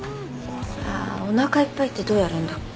「おなかいっぱい」ってどうやるんだっけ？